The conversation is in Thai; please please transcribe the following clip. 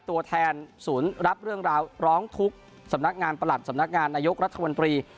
ตัวแทนศูนย์รับเรื่องราวร้องทุกข์สำนักงานประหลัดสำนักงานนายกรัฐมนตรี